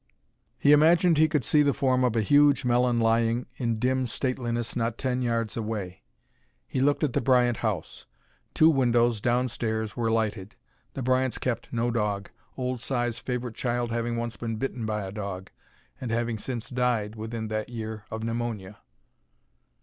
He imagined he could see the form of a huge melon lying in dim stateliness not ten yards away. He looked at the Bryant house. Two windows, down stairs, were lighted. The Bryants kept no dog, old Si's favorite child having once been bitten by a dog, and having since died, within that year, of pneumonia.